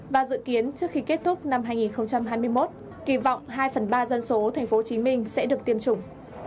và dự kiến trước khi kết thúc năm hai nghìn hai mươi một kỳ vọng hai phần ba dân số thành phố hồ chí minh sẽ được tiêm chủng